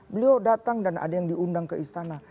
beliau datang dan ada yang diundang ke istana